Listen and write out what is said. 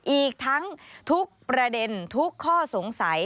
อีกทั้งทุกประเด็นทุกข้อสงสัย